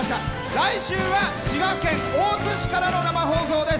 来週は滋賀県大津市からの生放送です。